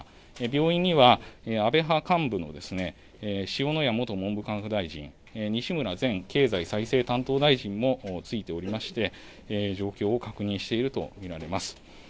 病院には、安倍派幹部の塩谷元文部科学大臣、西村前経済再生担当大臣もついておりまして、状況を確認していると見られます。